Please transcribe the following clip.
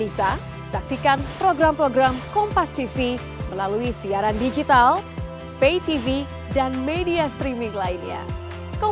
kalau dari versi gerindra berharapnya dari sekarang atau perpudi era pak prabowo nanti dilatih